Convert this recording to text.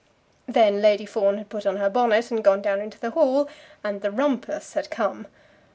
Then Lady Fawn had put on her bonnet and gone down into the hall, and the "rumpus" had come.